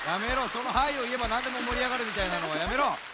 その「はぁいっ！」をいえばなんでももりあがるみたいなのはやめろ！